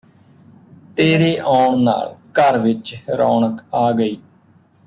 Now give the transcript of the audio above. ਤੇਰੇ ਆਉਣ ਨਾਲ ਘਰ ਵਿਚ ਰੌਣਕ ਆ ਗਈ